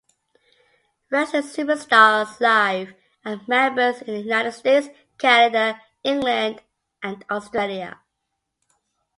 Wrestling Superstars Live had members in the United States, Canada, England and Australia.